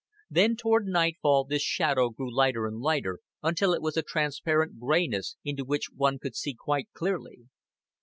Then toward nightfall this shadow grew lighter and lighter, until it was a transparent grayness into which one could see quite clearly.